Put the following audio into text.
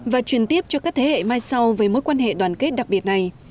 và truyền tiếp cho các thế hệ mai sau với mối quan hệ đoàn kết đặc biệt này